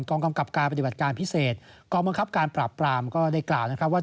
กำกับการปฏิบัติการพิเศษกองบังคับการปราบปรามก็ได้กล่าวนะครับว่า